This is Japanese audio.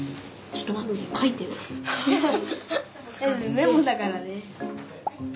メモだからね。